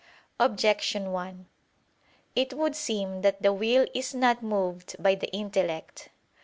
Objection 1: It would seem that the will is not moved by the intellect.